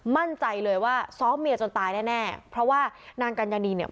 มั่นใจเลยว่าซ้อมเมียจนตายแน่แน่เพราะว่านางกัญญานีเนี่ย